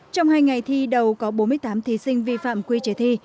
trong hai ngày thi đầu có bốn mươi tám thí sinh vi phạm quy chế thi